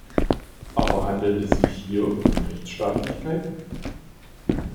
Aber handelt es sich hier um Rechtsstaatlichkeit?